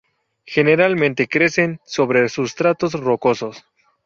Generalmente crecen sobre sustratos rocosos.